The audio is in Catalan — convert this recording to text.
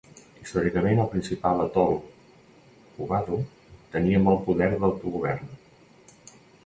Històricament, el principal atol Huvadu tenia molt poder d'autogovern.